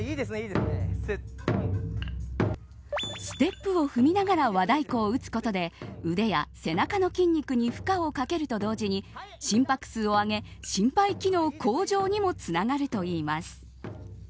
ステップを踏みながら和太鼓を打つことで腕や背中の筋肉に負荷をかけると同時に心拍数を上げ心肺機能向上にもつながるといいます。